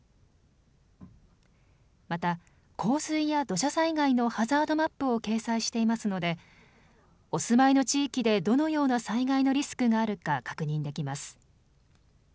また、洪水や土砂災害のハザードマップを掲載していますのでお住まいの地域でどのような災害のリスクがあるか確認できます。